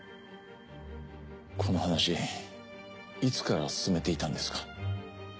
この話いつから進めていたんですか？